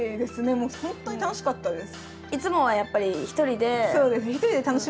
もうすごい楽しかったです。